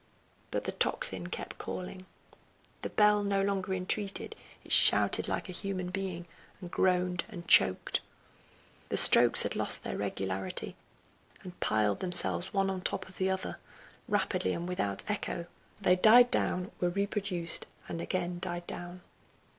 But the tocsin kept calling. The bell no longer entreated, it shouted like a human being, and groaned and choked. The strokes had lost their regularity, and piled themselves one on the top of the other, rapidly and without echo; they died down, were reproduced and again died down.